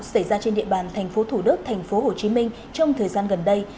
xảy ra trên địa bàn thành phố thủ đức thành phố hồ chí minh trong thời gian gần đây